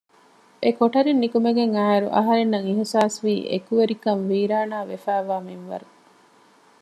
އެކޮޓަރިން ނިކުމެގެން އާއިރު އަހަންނަށް އިޙްޞާސްވީ އެކުވެރިކަން ވީރާނާވެފައިވާ މިންވަރު